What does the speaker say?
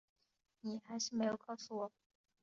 你还是没有告诉我